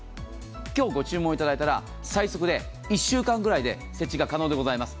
今日ご注文いただいたら最速で１週間くらいで設置が可能でございます。